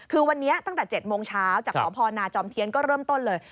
คือวันนี้ตั้งแต่๗โมงเช้าจากสพนจอมเทียนก็เริ่มต้นเลย